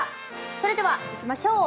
それではいきましょう。